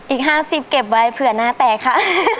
อีก๕๐เก็บไว้เผื่อหน้าแตกค่ะ